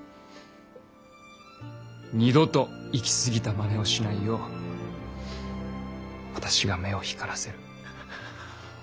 二度と行き過ぎたまねをしないよう私が目を光らせる。